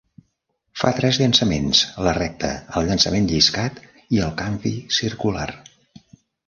Fa tres llançaments: la recta, el llançament lliscat i el canvi circular.